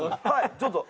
はい。